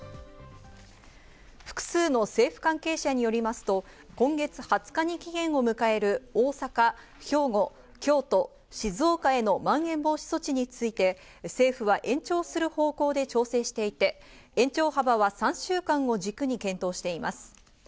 複数の政府関係者によりますと、今月２０日に期限を迎える大阪、兵庫、京都、静岡へのまん延防止措置について、政府は延長する方向で調整していて延長幅は３週間を軸に検討しています。